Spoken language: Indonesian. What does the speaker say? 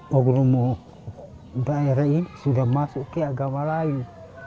makromo daerah ini sudah masuk ke agama lain